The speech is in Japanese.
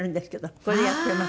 これやっています。